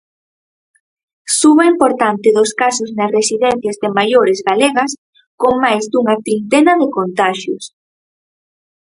Suba importante dos casos nas residencias de maiores galegas, con máis dunha trintena de contaxios.